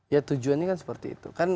ya tujuannya kan seperti itu